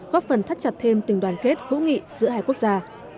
góp phần thắt chặt thêm tình đoàn kết hữu nghị giữa hai quốc gia